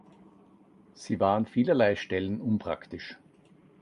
Sie war an vielerlei Stellen unpraktisch.